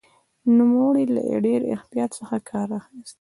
نوموړي له ډېر احتیاط څخه کار اخیست.